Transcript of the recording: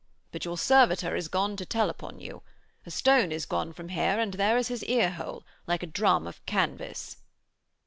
'But your servitor is gone to tell upon you. A stone is gone from here and there is his ear hole, like a drum of canvas.'